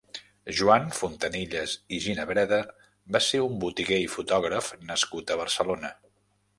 Joan Fontanillas i Ginabreda va ser un botiguer i fotògraf nascut a Barcelona.